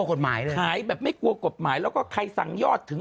กฎหมายเลยขายแบบไม่กลัวกฎหมายแล้วก็ใครสั่งยอดถึง